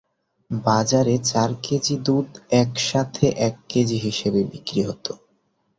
বাজারে চার কেজি দুধ একসাথে এক কেজি হিসেবে বিক্রি হত।